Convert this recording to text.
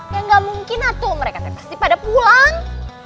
ya nggak mungkin atu mereka pasti pada pulang